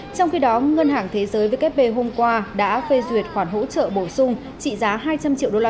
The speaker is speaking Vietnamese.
trong khi đó ngân hàng thế giới vkp hôm qua đã phê duyệt khoản hỗ trợ bổ sung trị giá hai trăm linh triệu usd